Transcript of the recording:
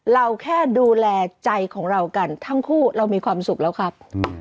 เราแค่ดูแลใจของเรากันทั้งคู่เรามีความสุขแล้วครับ